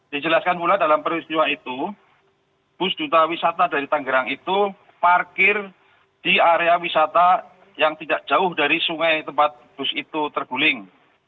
dijelaskan pula dalam peristiwa itu bus duta wisata dari tanggerang itu parkir di area wisata yang tidak jauh dari sungai tempat bus itu terguling